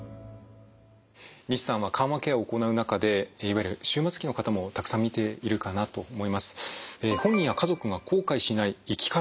西さんは緩和ケアを行う中でいわゆる終末期の方もたくさん診ているかなと思います。